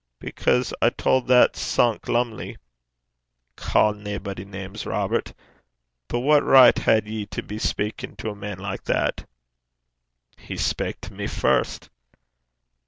'Because I tauld that sunk, Lumley ' 'Ca' naebody names, Robert. But what richt had ye to be speikin' to a man like that?' 'He spak to me first.'